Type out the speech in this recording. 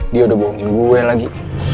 dia udah bohongin gue lagi